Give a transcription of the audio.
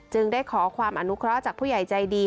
ได้ขอความอนุเคราะห์จากผู้ใหญ่ใจดี